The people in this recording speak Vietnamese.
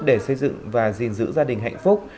để xây dựng và gìn giữ gia đình hạnh phúc